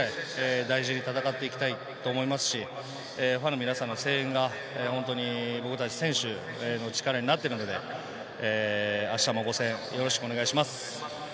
一試合一試合、大事に戦っていきたいと思いますし、ファンの皆さんの声援が僕たち選手の力になっているので、明日もご声援をよろしくお願いします。